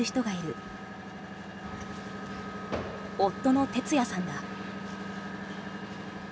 夫の哲也さんだ。